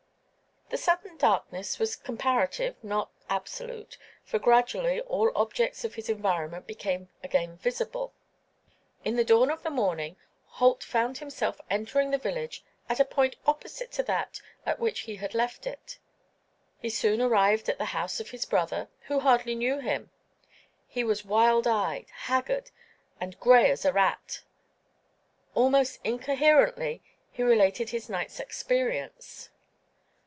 The sudden darkness was comparative, not absolute, for gradually all objects of his environment became again visible. In the dawn of the morning Holt found himself entering the village at a point opposite to that at which he had left it. He soon arrived at the house of his brother, who hardly knew him. He was wild eyed, haggard, and gray as a rat. Almost incoherently, he related his night's experience.